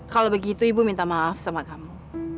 kalau begitu ibu minta maaf sama kamu